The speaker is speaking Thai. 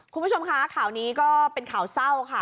คุณผู้ชมคะข่าวนี้ก็เป็นข่าวเศร้าค่ะ